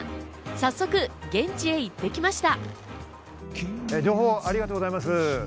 早速、現地へ行ってきました。